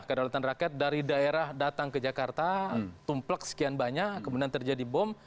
kedaulatan rakyat dari daerah datang ke jakarta tumplek sekian banyak kemudian terjadi bom